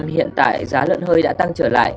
hiện tại giá lợn hơi đã tăng trở lại